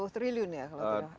sepuluh triliun ya kalau tidak